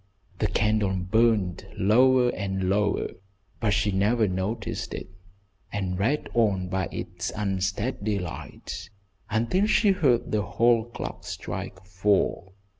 The candle burned lower and lower, but she never noticed it, and read on by its unsteady light until she heard the hall clock strike four.